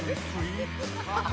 ハハハハ！